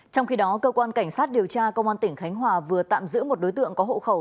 trong khi đó cơ quan cảnh sát điều tra công an tỉnh khánh hòa vừa tạm giữ một đối tượng có hộ khẩu